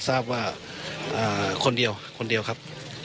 ทราบว่าคนเดียวครับ